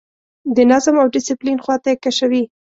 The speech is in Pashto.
د نظم او ډسپلین خواته یې کشوي.